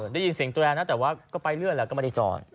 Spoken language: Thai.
ได้ยินเสียงแตรนนะแต่ว่าก็ไปเรื่อยแล้วก็ไม่ได้จอด